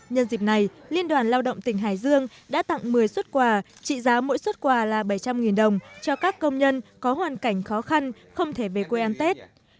nhân dịp này liên đoàn lao động tỉnh hải dương đã tặng một mươi xuất quà trị giá mỗi xuất quà là bảy trăm linh đồng cho các công nhân có hoàn cảnh khó khăn không thể về quê ăn tết